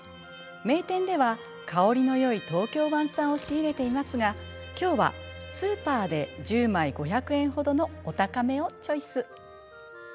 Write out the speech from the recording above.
名店では香りの良い東京湾産を仕入れていますが今日はスーパーで１０枚５００円ほどのお高めをチョイス。